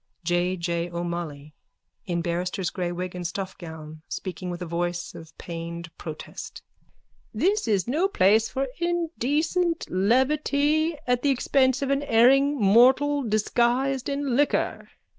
_ J. J. O'MOLLOY: (In barrister's grey wig and stuffgown, speaking with a voice of pained protest.) This is no place for indecent levity at the expense of an erring mortal disguised in liquor.